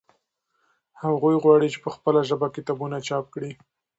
هغوی غواړي چې په خپله ژبه کتابونه چاپ کړي.